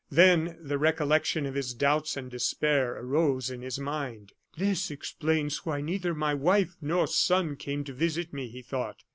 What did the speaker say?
Then the recollection of his doubts and despair arose in his mind. "This explains why neither my wife nor son came to visit me," he thought.